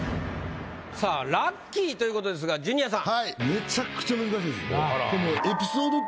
さぁラッキーということですがジュニアさん。